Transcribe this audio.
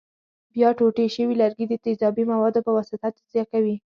بیا ټوټې شوي لرګي د تیزابي موادو په واسطه تجزیه کوي.